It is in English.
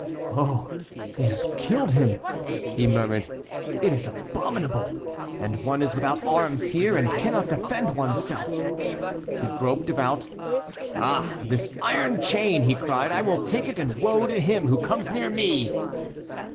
"Oh, they have killed him!" he murmured; "it is abominable! And one is without arms, here, and cannot defend one's self!" He groped about. "Ah! this iron chain!" he cried, "I will take it and woe to him who comes near me!"